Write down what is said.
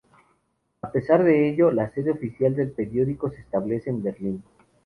A pesar de ello, la sede oficial del periódico se establece en Berlín.